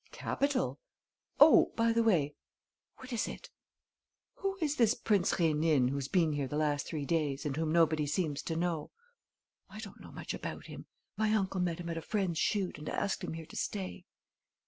"Capital!... Oh, by the way...." "What is it?" "Who is this Prince Rénine, who's been here the last three days and whom nobody seems to know?" "I don't know much about him. My uncle met him at a friend's shoot and asked him here to stay."